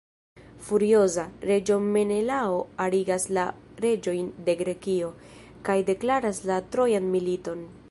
Furioza, reĝo Menelao arigas la reĝojn de Grekio, kaj deklaras la Trojan militon.